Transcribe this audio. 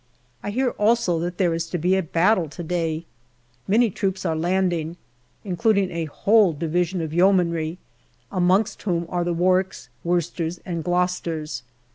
I hear also that there is to be a battle to day. Many troops are landing, including a whole Division of Yeomanry, amongst them the Warwicks, Worcesters, and Gloucesters.